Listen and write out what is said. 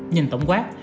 nhìn tổng quát